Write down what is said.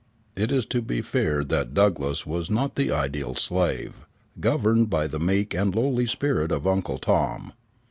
It is to be feared that Douglass was not the ideal slave, governed by the meek and lowly spirit of Uncle Tom.